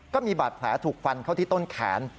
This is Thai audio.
ก็มีบาดแผลถูกฟันเข้าที่ต้นแขน